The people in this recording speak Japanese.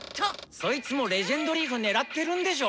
そいつも「レジェンドリーフ」狙ってるんでしょ。